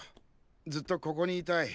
ずっとここにいたい。